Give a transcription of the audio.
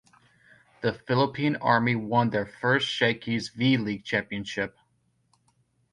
The Philippine Army won their first Shakey's V-League championship.